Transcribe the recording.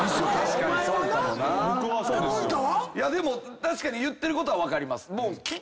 確かに言ってることは分かります。